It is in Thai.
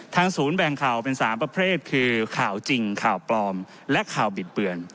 ศูนย์แบ่งข่าวเป็น๓ประเภทคือข่าวจริงข่าวปลอมและข่าวบิดเบือน